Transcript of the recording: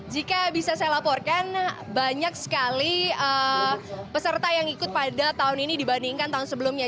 jika bisa saya laporkan banyak sekali peserta yang ikut pada tahun ini dibandingkan tahun sebelumnya